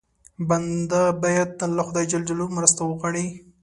بنده باید تل له خدای ج مرسته وغواړي.